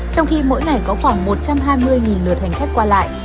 trong khi mỗi ngày có khoảng một trăm hai mươi lượt hành khách qua lại